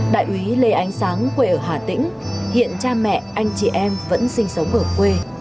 đại úy lê ánh sáng quê ở hà tĩnh hiện cha mẹ anh chị em vẫn sinh sống ở quê